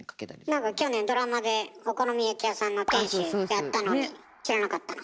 何か去年ドラマでお好み焼き屋さんの店主やったのに知らなかったの？